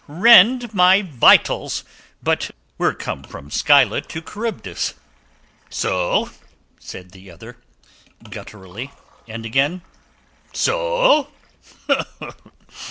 Rend my vitals, but we're come from Scylla to Charybdis." "So?" said the other gutturally, and again, "So?"